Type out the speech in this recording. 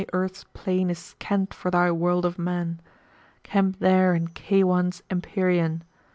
Earth's plain is scant for thy world of men, * Camp there in Kay wan's[FN#135] Empyrean!